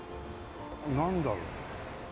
なんだろう？